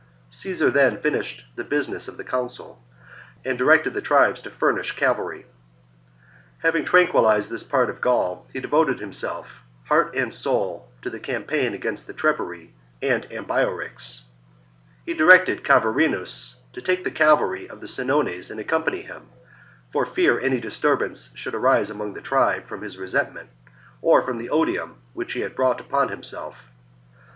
Caesar then finished the business of the council, and directed the tribes to furnish cavalry. 5. Having tranquillized this part of Gaul, he Caesarpre devoted himself, heart and soul, to the campaign punish i' r> • iAi'» TT1' 1 Ambiorix. agamst the Treveri and Ambionx. He directed Cavarinus to take the cavalry of the Senones and accompany him, for fear any disturbance should arise among the tribe from his resentment or from the odium which he had brought upon himself.